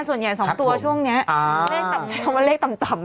ส่วนใหญ่สองตัวช่วงเนี้ยอ่าเลขต่ำต่ำเรียกว่าเลขต่ำต่ำ